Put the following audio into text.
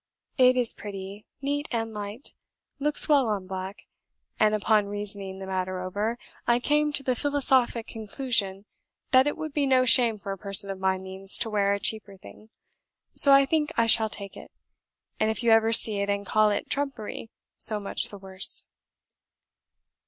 it is pretty, neat and light, looks well on black; and upon reasoning the matter over, I came to the philosophic conclusion, that it would be no shame for a person of my means to wear a cheaper thing; so I think I shall take it, and if you ever see it and call it 'trumpery' so much the worse."